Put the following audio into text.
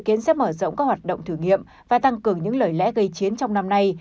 họ nói rằng triều tiên dự kiến sẽ mở rộng các hoạt động thử nghiệm và tăng cường những lời lẽ gây chiến trong năm nay